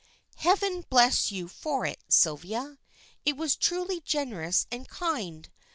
"Heaven bless you for it, Sylvia. It was truly generous and kind.